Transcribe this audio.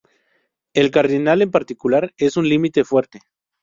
El cardinal en particular es un límite fuerte.